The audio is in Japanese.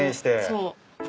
そう。